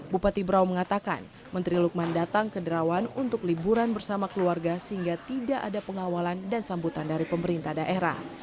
bupati brau mengatakan menteri lukman datang ke derawan untuk liburan bersama keluarga sehingga tidak ada pengawalan dan sambutan dari pemerintah daerah